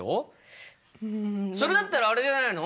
それだったらあれじゃないの？